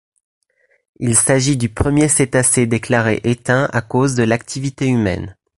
Il s'agit du premier cétacé déclaré éteint à cause de l'activité humaine.